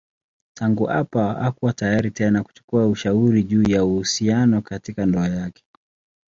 Tangu hapa hakuwa tayari tena kuchukua ushauri juu ya uhusiano katika ndoa yake.